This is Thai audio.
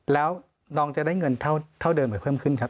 แล้วน้องจะได้เงินเท่าเดิมหรือเพิ่มขึ้นครับ